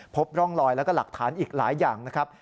พบร่องลอยแล้วก็หลักฐานอีกหลายอย่างนะครับ